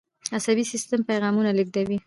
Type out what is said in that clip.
عصبي سیستم پیغامونه لیږدوي